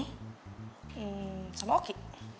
hmm sama oki